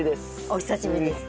お久しぶりです